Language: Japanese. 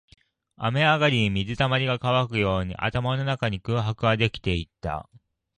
雨上がりに水溜りが乾くように、頭の中に空白ができていった